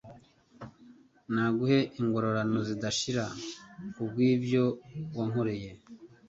naguhe ingororano zidashira kubwibyo wankoreye